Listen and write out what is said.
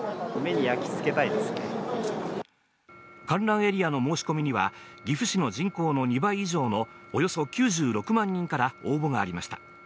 観覧エリアの申し込みには、岐阜市の人口の２倍以上のおよそ９６万人から応募がありました。